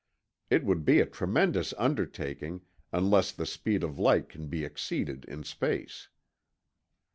It would be a tremendous undertaking, unless the speed of light can be exceeded in space.